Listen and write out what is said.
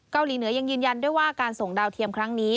เกาหลีเหนือยังยืนยันด้วยว่าการส่งดาวเทียมครั้งนี้